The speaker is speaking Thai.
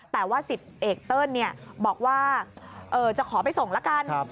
แต่ว่า๑๐เอกเติ้ลบอกว่าจะขอไปส่งละกัน